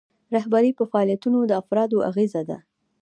رهبري په فعالیتونو د افرادو اغیزه ده.